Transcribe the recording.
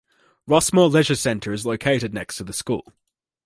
Rossmore Leisure Centre is located next to the school.